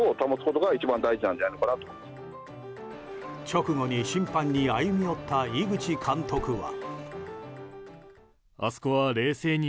直後に審判に歩み寄った井口監督は。